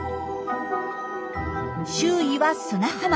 周囲は砂浜。